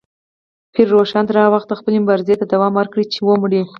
پیر روښان تر هغه وخته خپلې مبارزې ته دوام ورکړ چې ومړ.